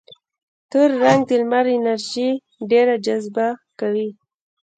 تور رنګ د لمر انرژي ډېره جذبه کوي.